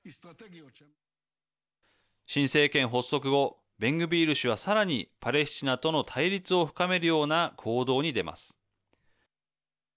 新政権発足後ベングビール氏はさらにパレスチナとの対立を深めるような行動に出ます。